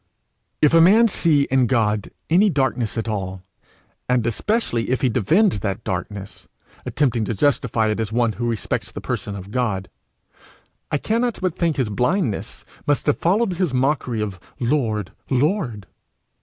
If a man see in God any darkness at all, and especially if he defend that darkness, attempting to justify it as one who respects the person of God, I cannot but think his blindness must have followed his mockery of '_Lord! Lord!